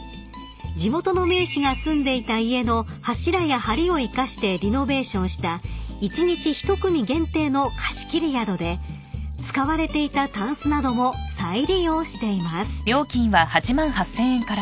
［地元の名士が住んでいた家の柱やはりを生かしてリノベーションした一日１組限定の貸し切り宿で使われていたたんすなども再利用しています］